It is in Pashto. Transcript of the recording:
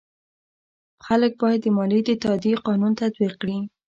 خلک باید د مالیې د تادیې قانون تعقیب کړي.